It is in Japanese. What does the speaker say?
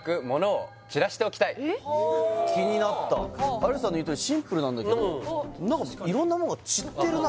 気になった有吉さんの言うとおりシンプルなんだけど何か色んなものが散ってるな